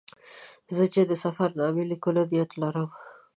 زه چې د سفر نامې لیکلو نیت لرم.